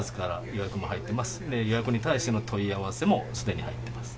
予約に対しての問い合わせもすでに入ってます。